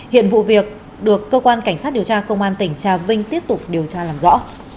hiện vụ việc được cơ quan cảnh sát điều tra công an tỉnh trà vinh tiếp tục điều tra làm rõ